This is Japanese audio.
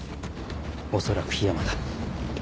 おそらく樋山だ